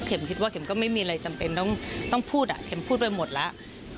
คิดว่าเข็มก็ไม่มีอะไรจำเป็นต้องพูดเข็มพูดไปหมดแล้ว